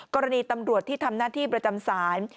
กรณีตำรวจที่ทำหน้าที่ประจำศาล